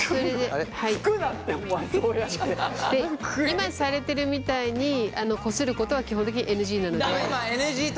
今されてるみたいにこすることは基本的にＮＧなので。